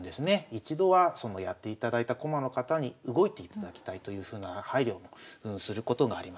一度はそのやっていただいた駒の方に動いていただきたいというふうな配慮もすることがあります。